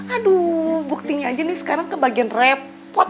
aduh buktinya aja nih sekarang kebagian repot